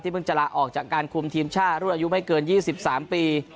เพิ่งจะลาออกจากการคุมทีมชาติรุ่นอายุไม่เกิน๒๓ปี